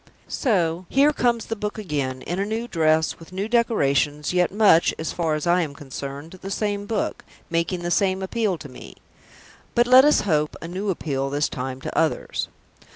So here comes the book again, in a new dress, with new decorations, yet much, as far as I am concerned, the same book, making the same appeal to me; but, let us hope, a new appeal, this time, to others.